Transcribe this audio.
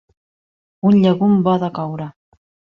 Un llegum bo de coure.